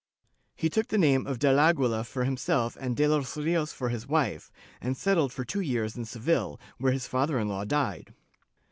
He took the name of del Aguila for himself and de los Rios for his wife, and settled for two years in Seville, where his father in law died.